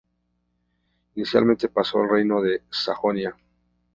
Inicialmente pasó al reino de Sajonia.